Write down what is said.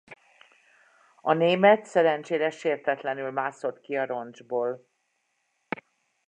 A német szerencsére sértetlenül mászott ki a roncsból.